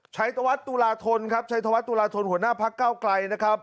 ชัยตะวัดตุลาธนครับชัยธวัฒนตุลาธนหัวหน้าพักเก้าไกลนะครับ